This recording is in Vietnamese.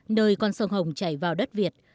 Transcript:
nơi con sông hồng chảy vào đất việt